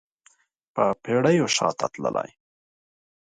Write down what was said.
په پیړیو شاته تللی